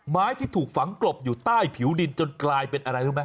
ไม้ที่ถูกฝังกลบอยู่ใต้ผิวดินจนกลายเป็นอะไรรู้ไหม